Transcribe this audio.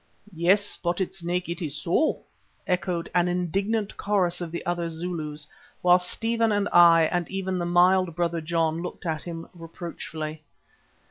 "Yes, Spotted Snake, it is so," echoed an indignant chorus of the other Zulus, while Stephen and I and even the mild Brother John looked at him reproachfully.